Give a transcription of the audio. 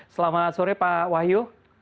selamat sore pak wahyu